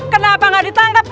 kenapa gak ditangkap